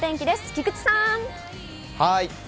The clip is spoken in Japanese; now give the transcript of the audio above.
菊池さん。